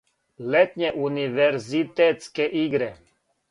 Летње универзитетске игре.